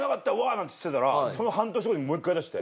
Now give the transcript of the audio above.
なんて言ってたらその半年後にもう一回出して。